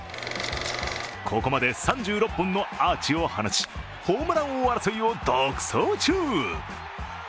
ここまで３６本のアーチを放ち、ホームラン王争いを独走中。